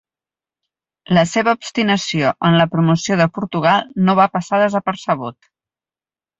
La seva obstinació en la promoció de Portugal no va passar desapercebut.